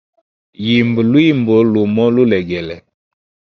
Yimba lwimbo lumo lulegele.